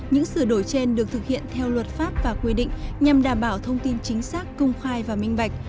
những sửa đổi trên được thực hiện theo luật pháp và quy định nhằm đảm bảo thông tin chính xác công khai và minh bạch